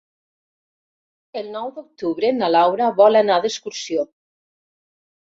El nou d'octubre na Laura vol anar d'excursió.